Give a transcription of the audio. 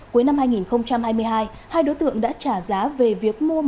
cuối năm hai nghìn hai mươi hai hai đối tượng đã trả giá về việc mua bán